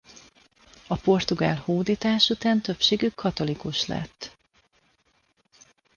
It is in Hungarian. A portugál hódítás után többségük katolikus lett.